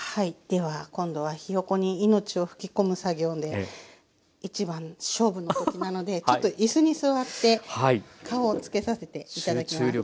では今度はひよこに命を吹き込む作業で一番勝負の時なのでちょっと椅子に座って顔をつけさせて頂きます。